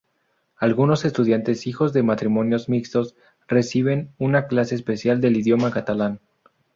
Algunos estudiantes hijos de matrimonios mixtos reciben una clase especial del idioma catalán.